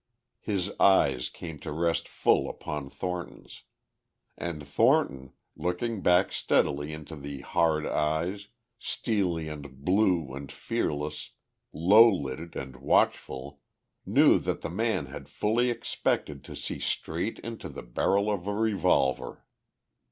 His eyes came to rest full upon Thornton's. And Thornton, looking back steadily into the hard eyes, steely and blue and fearless, low lidded and watchful, knew that the man had fully expected to see straight into the barrel of a revolver.